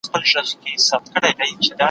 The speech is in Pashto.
جادو ګر کړلې نارې ویل یې خدایه